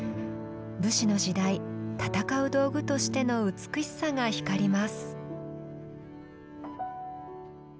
武士の時代戦う道具としての美しさが光ります。